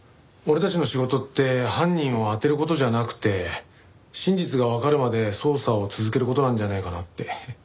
俺たちの仕事って犯人を当てる事じゃなくて真実がわかるまで捜査を続ける事なんじゃないかなって。